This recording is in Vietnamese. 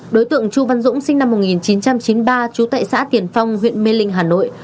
đối tượng chu văn dũng sinh năm một nghìn chín trăm chín mươi ba trú tại xã tiền phong huyện mê linh hà nội